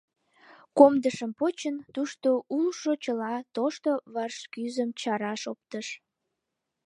Комдышым почын, тушто улшо чыла тошто вашкӱзым чараш оптыш.